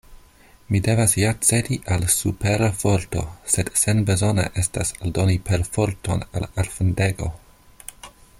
Mi devas ja cedi al supera forto, sed senbezone estas aldoni perforton al ofendego.